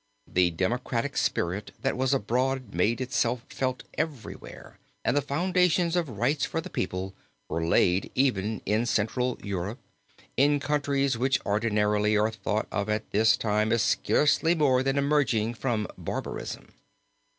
The democratic spirit that was abroad made itself felt everywhere and the foundations of rights for the people were laid even in central Europe, in countries which ordinarily are thought of at this time as scarcely more than emerging from barbarism.